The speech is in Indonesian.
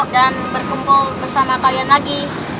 dan berkumpul bersama kalian lagi